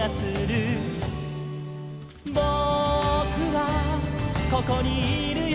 「ぼくはここにいるよ」